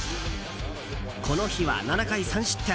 この日は、７回３失点。